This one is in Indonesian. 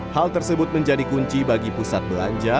hal tersebut menjadi kunci bagi pusat belanja